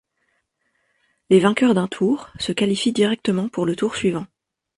Les vainqueurs d'un tour se qualifient directement pour le tour suivant.